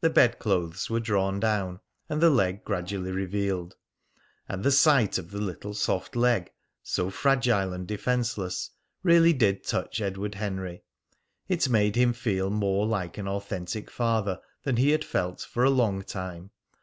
The bed clothes were drawn down and the leg gradually revealed. And the sight of the little soft leg, so fragile and defenceless, really did touch Edward Henry. It made him feel more like an authentic father than he had felt for a long time.